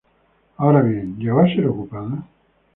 Ahora bien, ¿llegó a ser ocupada?